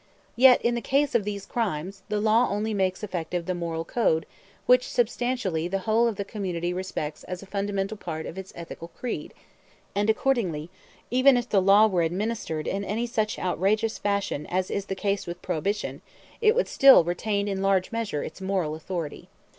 Yet in the case of these crimes, the law only makes effective the moral code which substantially the whole of the community respects as a fundamental part of its ethical creed; and accordingly even if the law were administered in any such outrageous fashion as is the case with Prohibition, it would still retain in large measure its moral authority.